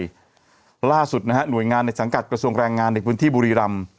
ล่าสุดนะฮะหน่วยงานในสังกัดกระทรวงแรงงานในพื้นที่บุรีรำ